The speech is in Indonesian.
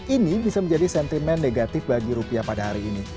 ini bisa menjadi sentimen negatif bagi rupiah pada hari ini